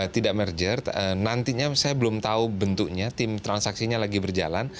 tidak merger nantinya saya belum tahu bentuknya tim transaksinya lagi berjalan